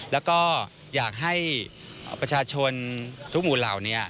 แล้วก็อยากให้ประชาชนทุกหมู่เหล่า